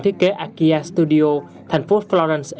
thiết kế akia studio thành phố florence